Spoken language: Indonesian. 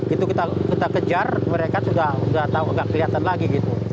itu kita kejar mereka sudah tidak kelihatan lagi